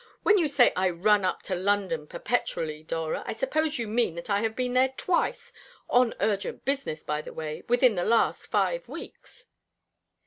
When you say I run up to London perpetually, Dora, I suppose you mean that I have been there twice on urgent business, by the way within the last five weeks."